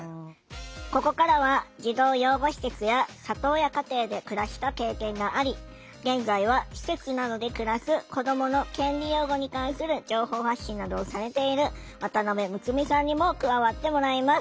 ここからは児童養護施設や里親家庭で暮らした経験があり現在は施設などで暮らす子どもの権利擁護に関する情報発信などをされている渡辺睦美さんにも加わってもらいます。